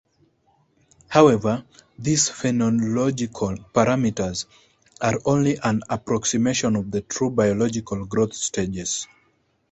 However, these phenological parameters are only an approximation of the true biological growth stages.